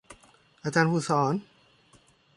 อาจารย์ผู้สอน